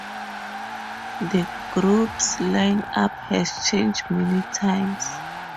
The group's line-up has changed many times.